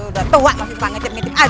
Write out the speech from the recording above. udah tua masih pangit ngintip aja